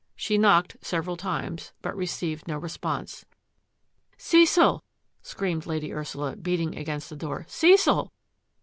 She knocked several times, but received no response. " Cecil !" screamed Lady Ursula, beating against the door, " Cecil